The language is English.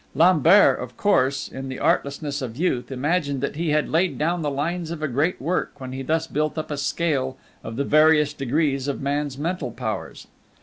Lambert, of course, in the artlessness of youth, imagined that he had laid down the lines of a great work when he thus built up a scale of the various degrees of man's mental powers.